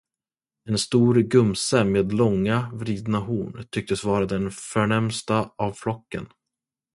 En stor gumse med långa, vridna horn tycktes vara den förnämsta av flocken.